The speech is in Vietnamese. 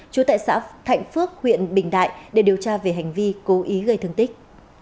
chú tại xã thạnh phước huyện bình đại để điều tra về hành vi cố ý gây thương tích